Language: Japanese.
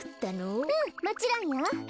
うんもちろんよ。